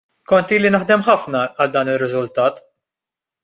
Kont ili naħdem ħafna għal dan ir-riżultat.